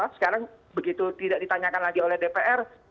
sekarang begitu tidak ditanyakan lagi oleh dpr